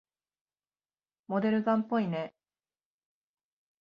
モデルガンっぽいね。